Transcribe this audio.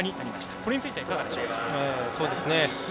これについてはいかがでしょうか。